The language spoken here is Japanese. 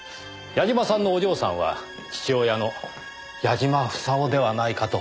矢嶋さんのお嬢さんは父親の矢嶋房夫ではないかと。